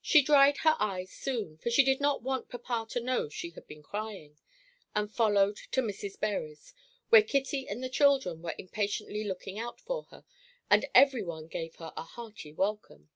She dried her eyes soon, for she did not want papa to know she had been crying, and followed to Mrs. Bury's, where Kitty and the children were impatiently looking out for her, and every one gave her a hearty welcome.